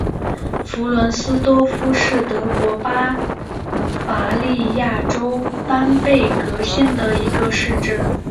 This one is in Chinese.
弗伦斯多夫是德国巴伐利亚州班贝格县的一个市镇。